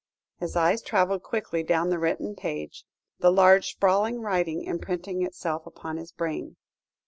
His eyes travelled quickly down the written page, the large, sprawling writing imprinting itself upon his brain.